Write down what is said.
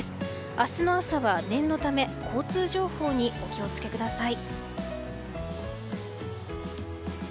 明日の朝は念のため交通情報にお気をつけください。